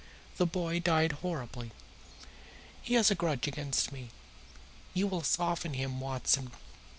The boy died horribly. He has a grudge against me. You will soften him, Watson.